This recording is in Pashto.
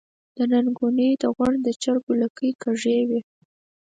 د نينګوَلۍ د غونډ د چرګو لکۍ کږې وي۔